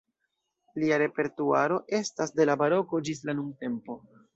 Lia repertuaro estas de la baroko ĝis la nuntempo.